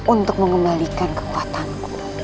untuk mengembalikan kekuatanku